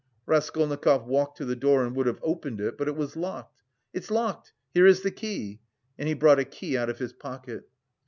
Raskolnikov walked to the door and would have opened it, but it was locked. "It's locked, here is the key!" And he brought a key out of his pocket.